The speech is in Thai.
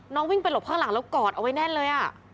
วิ่งไปหลบข้างหลังแล้วกอดเอาไว้แน่นเลย